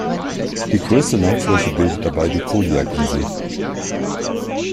Die größte Landfläche bildet dabei die Kodiak-Insel.